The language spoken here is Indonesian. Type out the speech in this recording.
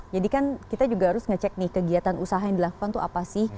jadi kan kita juga harus ngecek nih kegiatan usaha yang dilakukan itu apa sih